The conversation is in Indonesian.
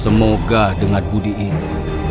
semoga dengan budi ini